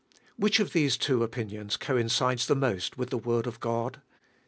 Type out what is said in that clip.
Which of these two opinions co incides the most with the Word of God?